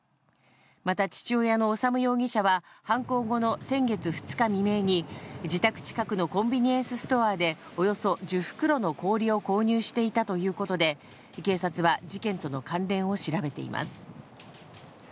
また父親の修容疑者は、犯行後の先月２日未明に、自宅近くのコンビニエンスストアでおよそ１０袋の氷を購入していたということで、警察は事件との関連を調べています。